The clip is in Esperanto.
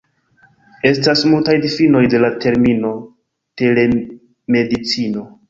Estas multaj difinoj de la termino "Telemedicino".